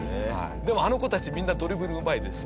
でもあの子たちみんなドリブルうまいです。